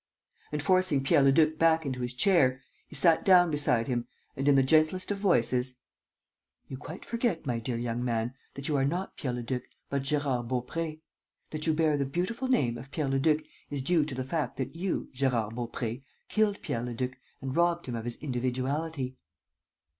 And forcing Pierre Leduc back into his chair, he sat down beside him and, in the gentlest of voices: "You quite forget, my dear young man, that you are not Pierre Leduc, but Gérard Baupré. That you bear the beautiful name of Pierre Leduc is due to the fact that you, Gérard Baupré, killed Pierre Leduc and robbed him of his individuality."